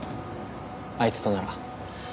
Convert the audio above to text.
あいつとなら。